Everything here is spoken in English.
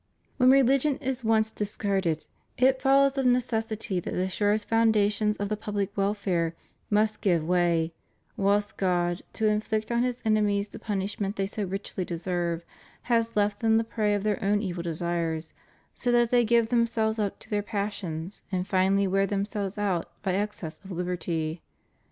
When religion is once discarded it follows of necessity that the surest foundations of the public welfare must give way, whilst God, to inflict on His enemies the punishment they so richly deserve, has left them the prey of their own evil desires, so that they give themselves up to their passions and finally wear themselves out by excess of liberty.